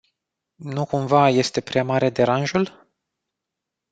Nu cumva este prea mare deranjul?